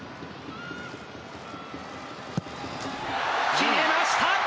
決めました！